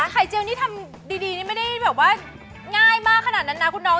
ไข่เจียวนี่ทำดีนี่ไม่ได้แบบว่าง่ายมากขนาดนั้นนะคุณน้อง